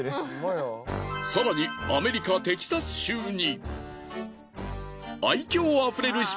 更にアメリカテキサス州に。